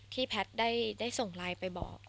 แพทย์ได้ส่งไลน์ไปบอก